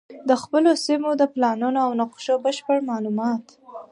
د خپلو سیمو د پلانونو او نقشو بشپړ معلومات